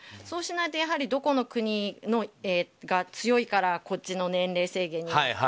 そうしないとどこの国が強いからこっちの年齢制限に。